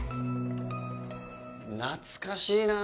懐かしいなあ。